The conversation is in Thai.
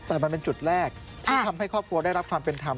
แต่มันเป็นจุดแรกที่ทำให้ครอบครัวได้รับความเป็นธรรม